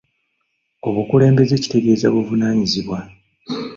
Obukulembze kitegeeza buvunaanyizibwa.